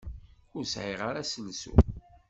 Ur sɛiɣ ara aselsu.